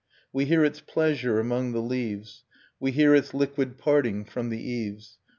We hear its pleasure among the leaves, We hear its liquid parting from the eaves.